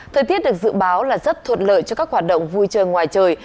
thời tiết được dự báo là rất thuận lợi cho các hoạt động vui chơi ngoài trời